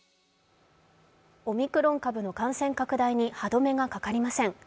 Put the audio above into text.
オミクロン株の感染拡大に歯止めがかかりません。